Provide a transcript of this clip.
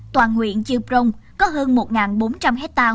toàn huyện chư prong có hơn một bốn trăm linh hectare